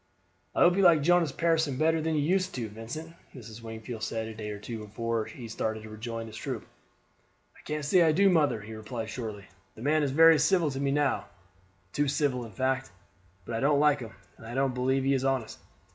"I hope you like Jonas Pearson better than you used to do, Vincent," Mrs. Wingfield said a day or two before he started to rejoin his troop. "I can't say I do, mother," he replied shortly. "The man is very civil to me now too civil, in fact; but I don't like him, and I don't believe he is honest.